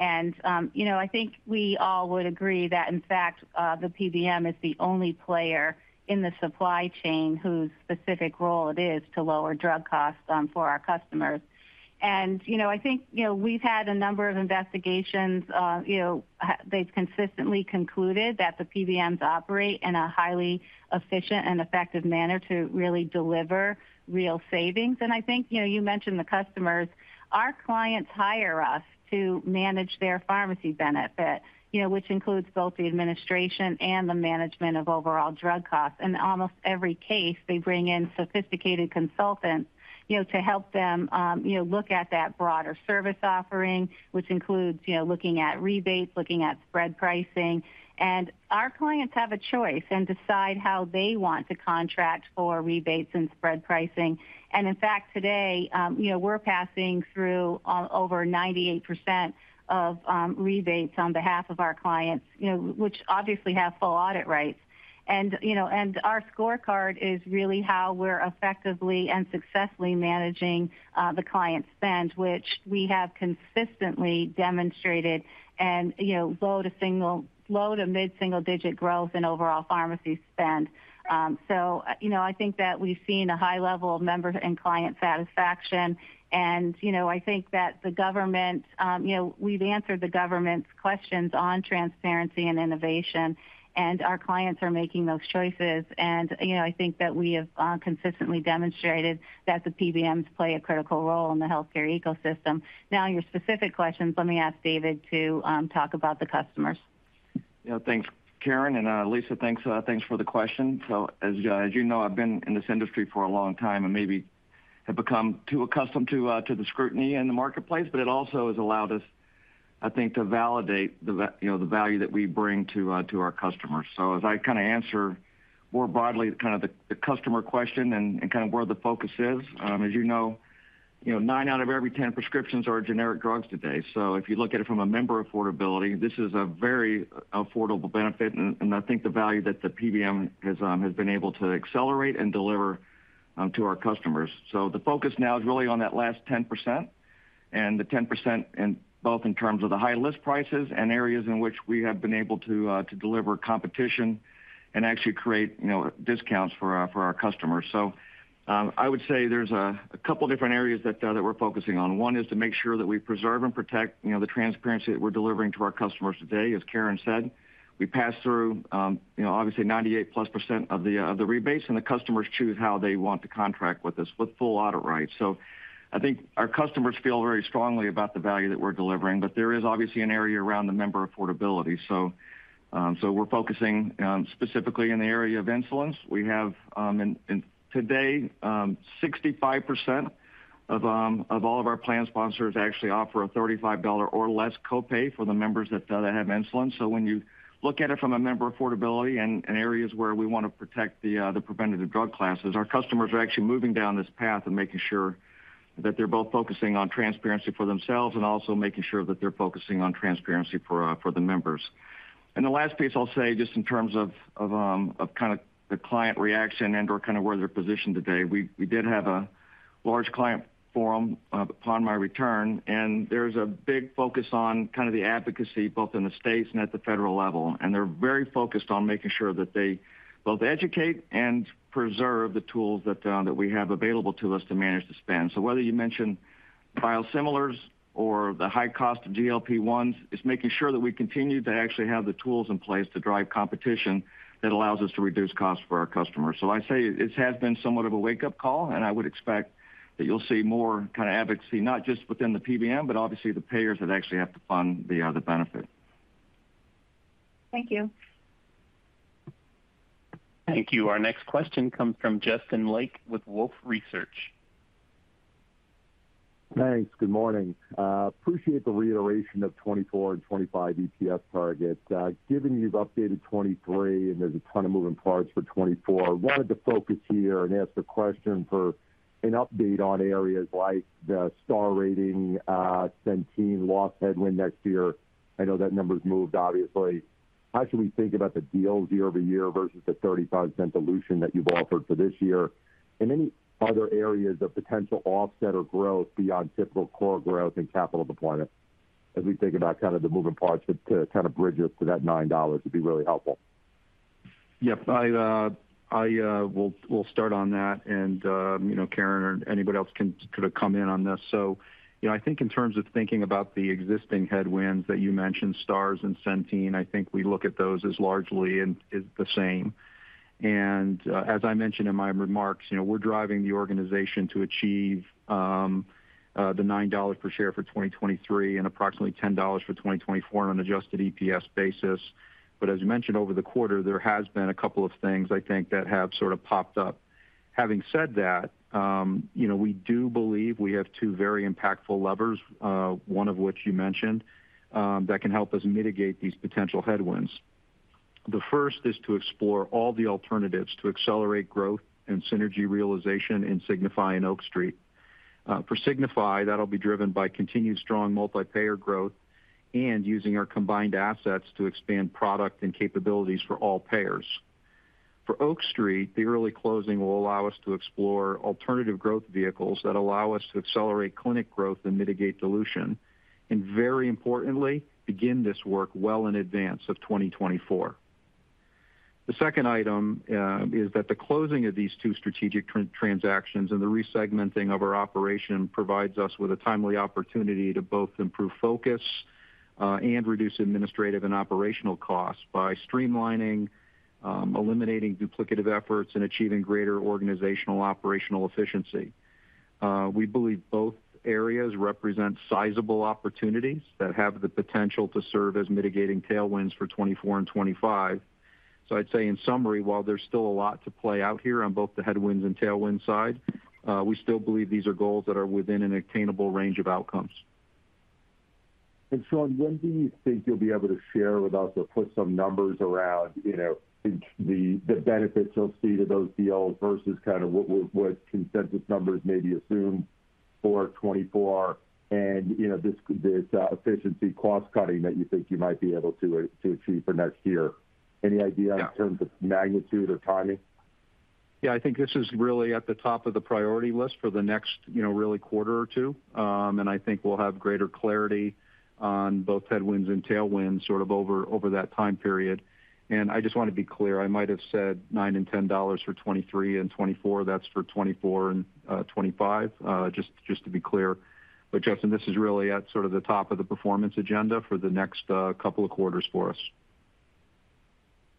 You know, I think we all would agree that in fact, the PBM is the only player in the supply chain whose specific role it is to lower drug costs for our customers. You know, I think, you know, we've had a number of investigations, you know, they've consistently concluded that the PBMs operate in a highly efficient and effective manner to really deliver real savings. I think, you know, you mentioned the customers. Our clients hire us to manage their pharmacy benefit, you know, which includes both the administration and the management of overall drug costs. In almost every case, they bring in sophisticated consultants, you know, to help them, you know, look at that broader service offering, which includes, you know, looking at rebates, looking at spread pricing. Our clients have a choice and decide how they want to contract for rebates and spread pricing. In fact, today, you know, we're passing through over 98% of rebates on behalf of our clients, you know, which obviously have full audit rights. Our scorecard is really how we're effectively and successfully managing the client spend, which we have consistently demonstrated and, you know, low to mid-single digit growth in overall pharmacy spend. you know, I think that we've seen a high level of member and client satisfaction. you know, I think that the government, you know, we've answered the government's questions on transparency and innovation, and our clients are making those choices. you know, I think that we have consistently demonstrated that the PBMs play a critical role in the healthcare ecosystem. Your specific questions, let me ask David to talk about the customers. Yeah. Thanks, Karen, and Lisa, thanks for the question. As you know, I've been in this industry for a long time and maybe have become too accustomed to the scrutiny in the marketplace, but it also has allowed us, I think, to validate the value that we bring to our customers. As I kind of answer more broadly kind of the customer question and kind of where the focus is, as you know, you know, nine out of every 10 prescriptions are generic drugs today. If you look at it from a member affordability, this is a very affordable benefit. I think the value that the PBM has been able to accelerate and deliver to our customers. The focus now is really on that last 10% and the 10% in both in terms of the high list prices and areas in which we have been able to deliver competition and actually create, you know, discounts for our customers. I would say there's a couple different areas that we're focusing on. One is to make sure that we preserve and protect, you know, the transparency that we're delivering to our customers today. As Karen said, we pass through, you know, obviously 98%+ of the rebates, and the customers choose how they want to contract with us with full audit rights. I think our customers feel very strongly about the value that we're delivering. There is obviously an area around the member affordability. We're focusing specifically in the area of insulins. We have today, 65% of all of our plan sponsors actually offer a $35 or less copay for the members that have insulin. When you look at it from a member affordability and areas where we wanna protect the preventative drug classes, our customers are actually moving down this path and making sure that they're both focusing on transparency for themselves and also making sure that they're focusing on transparency for the members. The last piece I'll say, just in terms of kinda the client reaction and/or kinda where they're positioned today, we did have a large client forum upon my return, there's a big focus on kind of the advocacy both in the states and at the federal level. They're very focused on making sure that they both educate and preserve the tools that we have available to us to manage the spend. Whether you mention biosimilars or the high cost of GLP-1s, it's making sure that we continue to actually have the tools in place to drive competition that allows us to reduce costs for our customers. I say this has been somewhat of a wake-up call, and I would expect that you'll see more kinda advocacy, not just within the PBM, but obviously the payers that actually have to fund the benefit. Thank you. Thank you. Our next question comes from Justin Lake with Wolfe Research. Thanks. Good morning. Appreciate the reiteration of 2024 and 2025 EPS targets. Given you've updated 2023 and there's a ton of moving parts for 2024, wanted to focus here and ask a question for an update on areas like the Star Rating, Centene loss headwind next year. I know that number's moved, obviously. How should we think about the deal year-over-year versus the $0.35 dilution that you've offered for this year? And any other areas of potential offset or growth beyond typical core growth and capital deployment as we think about kind of the moving parts to kind of bridge us to that $9 would be really helpful. Yep. We'll start on that and, you know, Karen or anybody else can kinda come in on this. You know, I think in terms of thinking about the existing headwinds that you mentioned, Stars and Centene, I think we look at those as largely in, as the same. As I mentioned in my remarks, you know, we're driving the organization to achieve the $9 per share for 2023 and approximately $10 for 2024 on an adjusted EPS basis. As you mentioned over the quarter, there has been a couple of things I think that have sorta popped up. Having said that, you know, we do believe we have two very impactful levers, one of which you mentioned, that can help us mitigate these potential headwinds. The first is to explore all the alternatives to accelerate growth and synergy realization in Signify and Oak Street. For Signify, that'll be driven by continued strong multi-payer growth and using our combined assets to expand product and capabilities for all payers. For Oak Street, the early closing will allow us to explore alternative growth vehicles that allow us to accelerate clinic growth and mitigate dilution, very importantly, begin this work well in advance of 2024. The second item is that the closing of these two strategic transactions and the re-segmenting of our operation provides us with a timely opportunity to both improve focus and reduce administrative and operational costs by streamlining, eliminating duplicative efforts, and achieving greater organizational operational efficiency. We believe both areas represent sizable opportunities that have the potential to serve as mitigating tailwinds for 24 and 25. I'd say in summary, while there's still a lot to play out here on both the headwinds and tailwind side, we still believe these are goals that are within an attainable range of outcomes. Shawn, when do you think you'll be able to share with us or put some numbers around, you know, the benefits you'll see to those deals versus kind of what consensus numbers maybe assume for 2024 and, you know, this efficiency cost cutting that you think you might be able to achieve for next year? Any idea? Yeah. In terms of magnitude or timing? Yeah, I think this is really at the top of the priority list for the next, you know, really quarter or two. I think we'll have greater clarity on both headwinds and tailwinds sort of over that time period. I just wanna be clear, I might have said $9 and $10 for 2023 and 2024. That's for 2024 and 2025, just to be clear. Justin, this is really at sort of the top of the performance agenda for the next couple of quarters for us.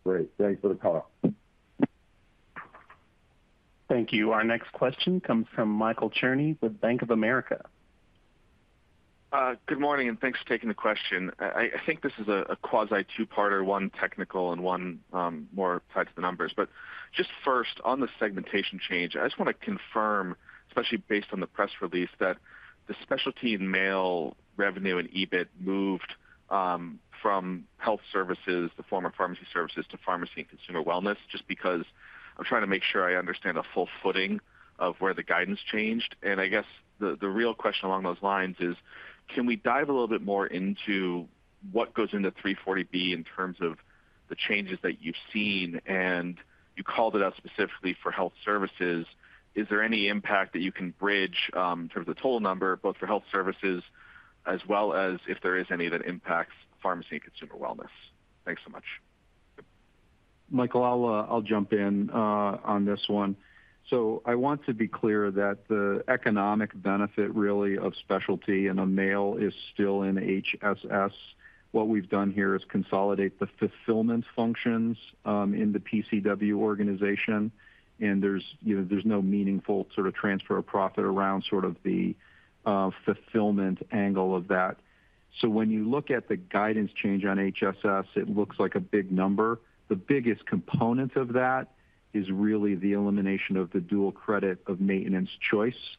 Great. Thanks for the call. Thank you. Our next question comes from Michael Cherny with Bank of America. Good morning, and thanks for taking the question. I think this is a quasi two-parter, one technical and one more tied to the numbers. Just first, on the segmentation change, I just wanna confirm, especially based on the press release, that the specialty mail revenue and EBIT moved from health services, the former pharmacy services to Pharmacy and Consumer Wellness, just because I'm trying to make sure I understand the full footing of where the guidance changed. I guess the real question along those lines is, can we dive a little bit more into what goes into 340B in terms of the changes that you've seen, and you called it out specifically for health services. Is there any impact that you can bridge, in terms of the total number, both for Health Services as well as if there is any that impacts Pharmacy and Consumer Wellness? Thanks so much. Michael, I'll jump in on this one. I want to be clear that the economic benefit really of specialty in a mail is still in HSS. What we've done here is consolidate the fulfillment functions in the PCW organization, and there's, you know, there's no meaningful sort of transfer of profit around sort of the fulfillment angle of that. When you look at the guidance change on HSS, it looks like a big number. The biggest component of that is really the elimination of the dual credit of Maintenance Choice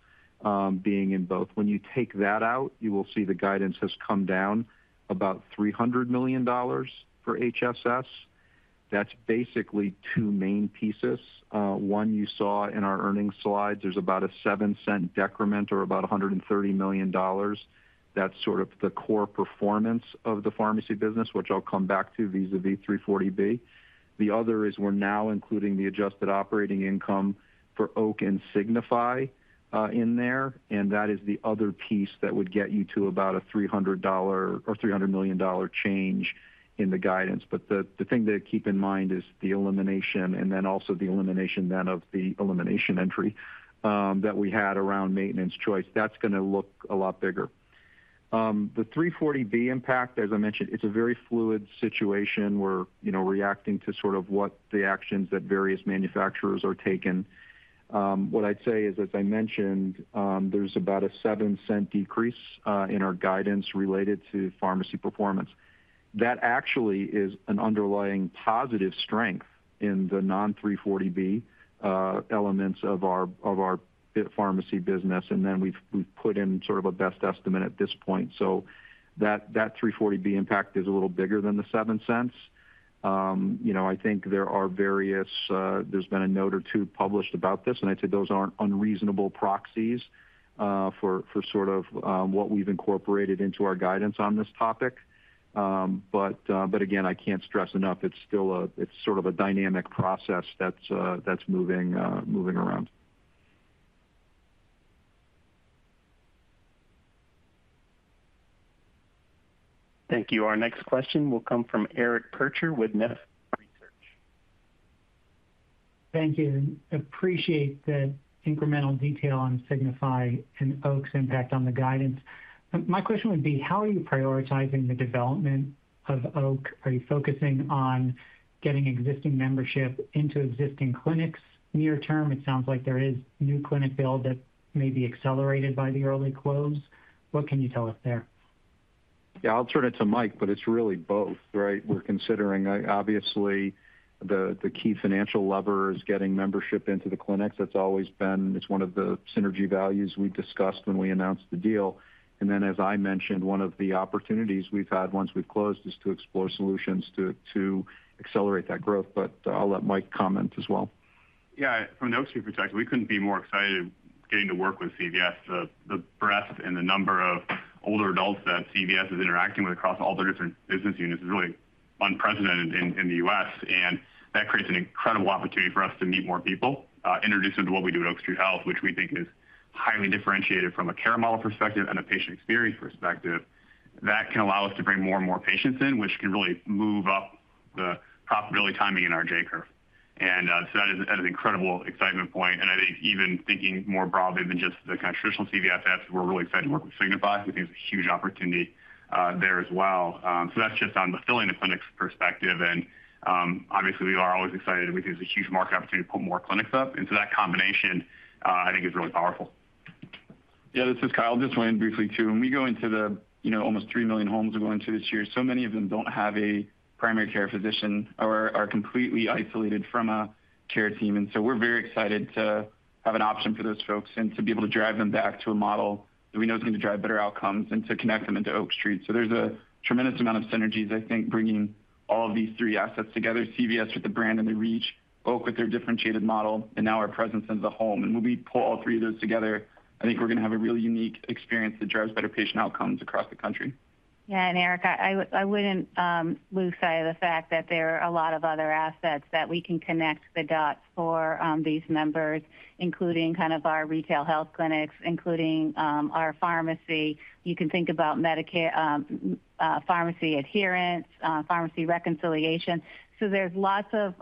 being in both. When you take that out, you will see the guidance has come down about $300 million for HSS. That's basically two main pieces. One you saw in our earnings slides, there's about a $0.07 decrement or about $130 million. That's sort of the core performance of the pharmacy business, which I'll come back to vis-à-vis 340B. The other is we're now including the adjusted operating income for Oak and Signify in there, and that is the other piece that would get you to about a $300 or $300 million change in the guidance. The thing to keep in mind is the elimination and then also the elimination then of the elimination entry that we had around Maintenance Choice. That's gonna look a lot bigger. The 340B impact, as I mentioned, it's a very fluid situation. We're, you know, reacting to sort of what the actions that various manufacturers are taking. What I'd say is, as I mentioned, there's about a $0.07 decrease in our guidance related to pharmacy performance. That actually is an underlying positive strength in the non-340B elements of our pharmacy business. We've put in sort of a best estimate at this point. That 340B impact is a little bigger than $0.07. You know, I think there are various, there's been a note or two published about this, and I'd say those aren't unreasonable proxies for sort of what we've incorporated into our guidance on this topic. Again, I can't stress enough, it's still a dynamic process that's moving around. Thank you. Our next question will come from Eric Percher with Nephron Research. Thank you. Appreciate the incremental detail on Signify and Oak's impact on the guidance. My question would be, how are you prioritizing the development of Oak? Are you focusing on getting existing membership into existing clinics near term? It sounds like there is new clinic build that may be accelerated by the early close. What can you tell us there? I'll turn it to Mike, but it's really both, right? We're considering, obviously the key financial lever is getting membership into the clinics. That's always been one of the synergy values we discussed when we announced the deal. As I mentioned, one of the opportunities we've had once we've closed is to explore solutions to accelerate that growth, but I'll let Mike comment as well. From the Oak Street perspective, we couldn't be more excited getting to work with CVS. The breadth and the number of older adults that CVS is interacting with across all their different business units is really unprecedented in the U.S. That creates an incredible opportunity for us to meet more people, introduce them to what we do at Oak Street Health, which we think is highly differentiated from a care model perspective and a patient experience perspective that can allow us to bring more and more patients in, which can really move up the profitability timing in our J curve. That is an incredible excitement point. I think even thinking more broadly than just the kind of traditional CVS assets, we're really excited to work with Signify Health, we think is a huge opportunity there as well. That's just on the filling the clinics perspective. Obviously we are always excited. We think there's a huge market opportunity to put more clinics up, that combination, I think is really powerful. Yeah, this is Kyle. Just weigh in briefly too. When we go into the, you know, almost 3 million homes we go into this year, so many of them don't have a primary care physician or are completely isolated from a care team. We're very excited to have an option for those folks and to be able to drive them back to a model that we know is going to drive better outcomes and to connect them into Oak Street. There's a tremendous amount of synergies, I think, bringing all of these three assets together, CVS with the brand and the reach, Oak with their differentiated model, and now our presence into the home. When we pull all three of those together, I think we're gonna have a really unique experience that drives better patient outcomes across the country. Yeah. Eric, I wouldn't lose sight of the fact that there are a lot of other assets that we can connect the dots for these members, including kind of our retail health clinics, including our pharmacy. You can think about Medicare, pharmacy adherence, pharmacy reconciliation. There's lots of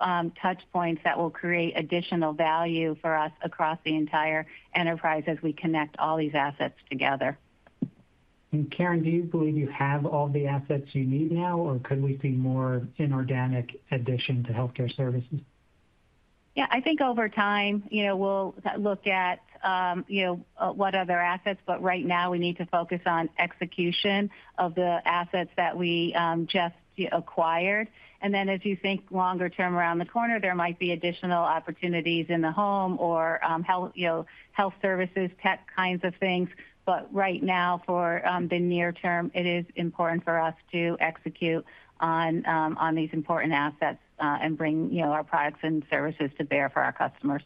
touch points that will create additional value for us across the entire enterprise as we connect all these assets together. Karen, do you believe you have all the assets you need now, or could we see more inorganic addition to healthcare services? Yeah, I think over time, you know, we'll look at, you know, what other assets, but right now we need to focus on execution of the assets that we just acquired. Then as you think longer term around the corner, there might be additional opportunities in the home or health, you know, health services tech kinds of things. Right now, for the near term, it is important for us to execute on these important assets and bring, you know, our products and services to bear for our customers.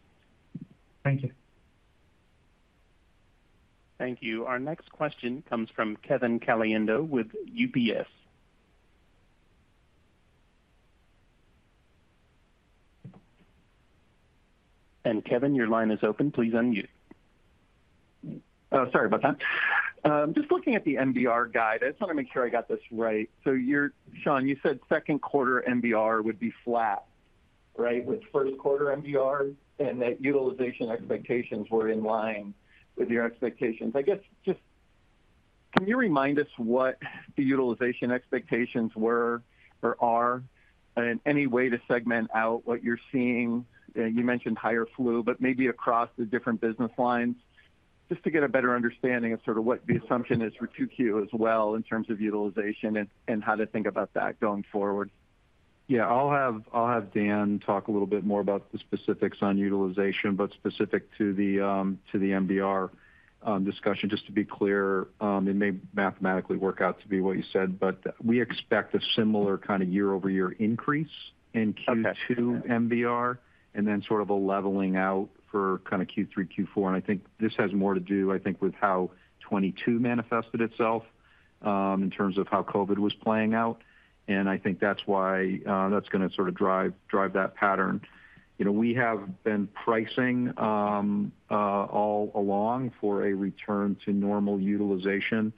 Thank you. Thank you. Our next question comes from Kevin Caliendo with UBS. Kevin, your line is open. Please unmute. Sorry about that. Just looking at the MBR guide, I just want to make sure I got this right. Shawn, you said second quarter MBR would be flat right, with first quarter MBRs, and that utilization expectations were in line with your expectations. I guess, just can you remind us what the utilization expectations were or are, and any way to segment out what you're seeing? You mentioned higher flu, but maybe across the different business lines, just to get a better understanding of sort of what the assumption is for 2Q as well in terms of utilization and how to think about that going forward. Yeah, I'll have Dan talk a little bit more about the specifics on utilization, but specific to the to the MBR discussion, just to be clear, it may mathematically work out to be what you said, but we expect a similar kind of year-over-year increase in Q2 MBR, and then sort of a leveling out for kind of Q3, Q4. I think this has more to do, I think, with how 2022 manifested itself in terms of how COVID was playing out. I think that's why that's gonna sort of drive that pattern. You know, we have been pricing all along for a return to normal utilization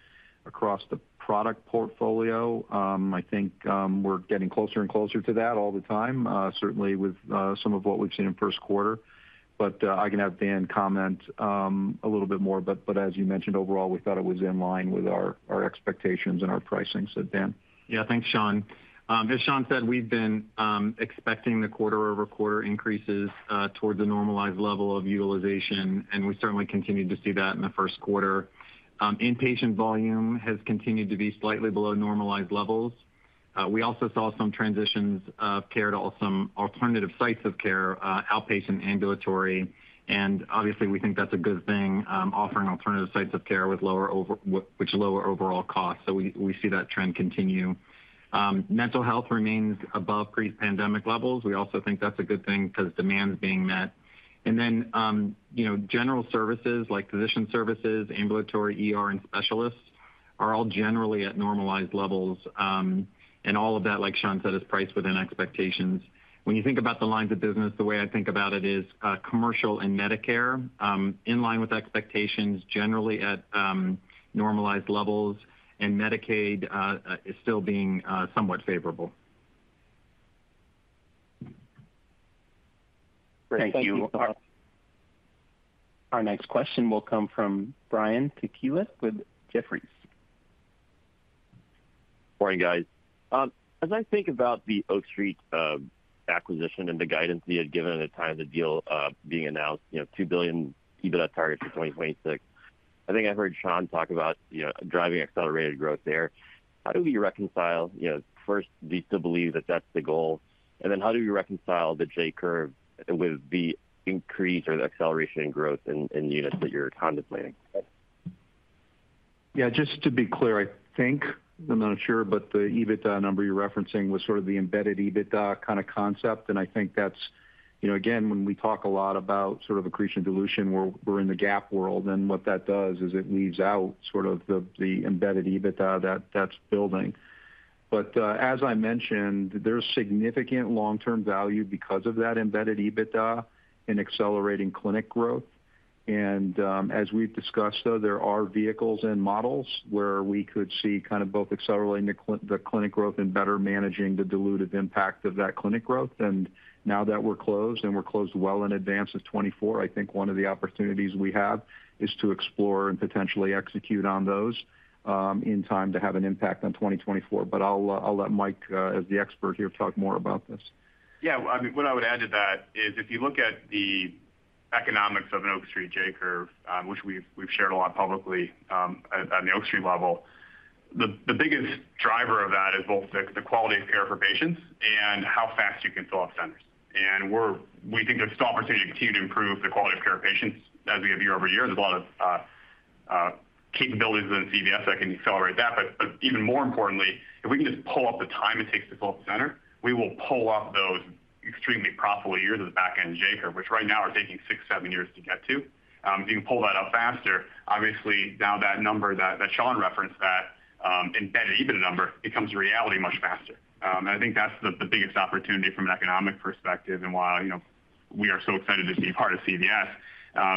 across the product portfolio. I think, we're getting closer and closer to that all the time, certainly with some of what we've seen in first quarter. I can have Dan comment, a little bit more. But as you mentioned, overall, we thought it was in line with our expectations and our pricing. Dan. Yeah. Thanks, Shawn. As Shawn said, we've been expecting the quarter-over-quarter increases towards a normalized level of utilization, and we certainly continued to see that in the first quarter. Inpatient volume has continued to be slightly below normalized levels. We also saw some transitions of care to some alternative sites of care, outpatient, ambulatory, and obviously we think that's a good thing, offering alternative sites of care with which lower overall costs. We see that trend continue. Mental health remains above pre-pandemic levels. We also think that's a good thing because demand is being met. Then, you know, general services like physician services, ambulatory, ER, and specialists are all generally at normalized levels. All of that, like Shawn said, is priced within expectations. When you think about the lines of business, the way I think about it is, commercial and Medicare, in line with expectations generally at, normalized levels, and Medicaid, is still being, somewhat favorable. Great. Thank you. Our next question will come from Brian Tanquilut with Jefferies. Morning, guys. As I think about the Oak Street acquisition and the guidance we had given at the time of the deal being announced, you know, $2 billion EBITDA target for 2026, I think I heard Shawn talk about, you know, driving accelerated growth there. How do we reconcile, you know, first need to believe that that's the goal, and then how do we reconcile the J-curve with the increase or the acceleration in growth in units that you're contemplating? Just to be clear, I think, I'm not sure, but the EBITDA number you're referencing was sort of the embedded EBITDA kind of concept. I think that's, you know, again, when we talk a lot about sort of accretion dilution, we're in the GAAP world, and what that does is it leaves out sort of the embedded EBITDA that's building. As I mentioned, there's significant long-term value because of that embedded EBITDA in accelerating clinic growth. As we've discussed, though, there are vehicles and models where we could see kind of both accelerating the clinic growth and better managing the dilutive impact of that clinic growth. Now that we're closed, and we're closed well in advance of 2024, I think one of the opportunities we have is to explore and potentially execute on those, in time to have an impact on 2024. I'll let Mike, as the expert here, talk more about this. Yeah, I mean, what I would add to that is if you look at the economics of an Oak Street J-curve, which we've shared a lot publicly, at an Oak Street level, the biggest driver of that is both the quality of care for patients and how fast you can fill up centers. We think there's still opportunity to continue to improve the quality of care of patients as we have year over year. There's a lot of capabilities within CVS that can accelerate that. Even more importantly, if we can just pull up the time it takes to fill up a center, we will pull up those extremely profitable years of the back-end J-curve, which right now are taking six, seven years to get to. If you can pull that up faster, obviously now that number that Shawn referenced, that embedded EBITDA number becomes a reality much faster. I think that's the biggest opportunity from an economic perspective and why, you know, we are so excited to be part of CVS,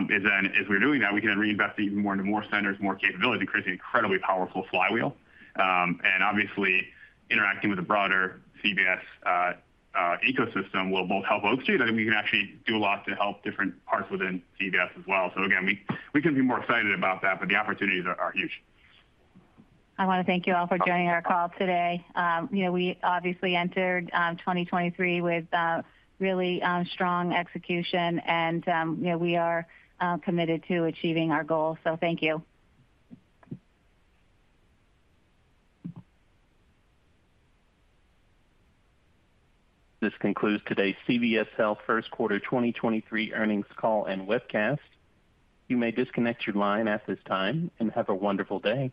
is then as we're doing that, we can reinvest even more into more centers, more capability to create an incredibly powerful flywheel. Obviously interacting with a broader CVS ecosystem will both help Oak Street. I think we can actually do a lot to help different parts within CVS as well. Again, we can be more excited about that, but the opportunities are huge. I wanna thank you all for joining our call today. You know, we obviously entered 2023 with really strong execution, you know, we are committed to achieving our goals. Thank you. This concludes today's CVS Health First Quarter 2023 earnings call and webcast. You may disconnect your line at this time, and have a wonderful day.